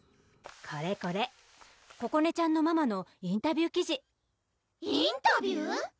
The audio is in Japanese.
これこれここねちゃんのママのインタビュー記事インタビュー？